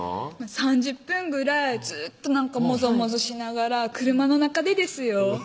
３０分ぐらいずっとなんかもぞもぞしながら車の中でですよ